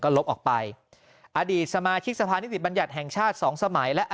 ลบออกไปอดีตสมาชิกสภานิบัญญัติแห่งชาติสองสมัยและ